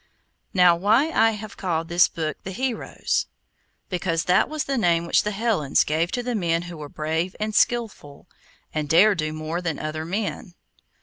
Now, why have I called this book 'The Heroes'? Because that was the name which the Hellens gave to men who were brave and skilful, and dare do more than other men.